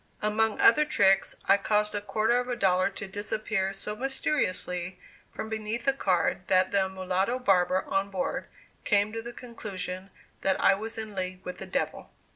Among other tricks, I caused a quarter of a dollar to disappear so mysteriously from beneath a card, that the mulatto barber on board came to the conclusion that I was in league with the devil.